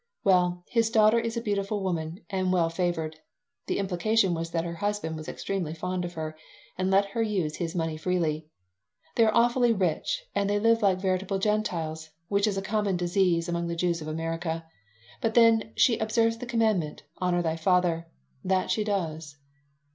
"Well, his daughter is a beautiful woman and well favored." The implication was that her husband was extremely fond of her and let her use his money freely. "They are awfully rich and they live like veritable Gentiles, which is a common disease among the Jews of America. But then she observes the commandment, 'Honor thy father.' That she does."